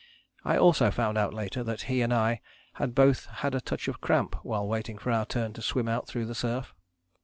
I also found out later that he and I had both had a touch of cramp while waiting for our turn to swim out through the surf."